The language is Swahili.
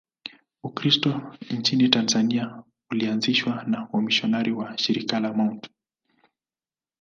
Ukristo nchini Tanzania ulianzishwa na wamisionari wa Shirika la Mt.